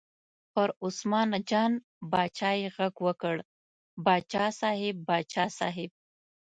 پر عثمان جان باچا یې غږ وکړ: باچا صاحب، باچا صاحب.